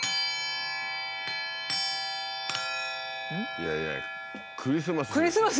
いやいやクリスマス。